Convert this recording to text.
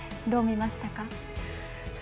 どう見ましたか？